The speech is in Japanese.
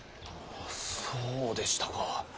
そうでしたか。